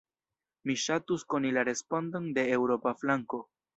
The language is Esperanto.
Mi ŝatus koni la respondon de eŭropa flanko.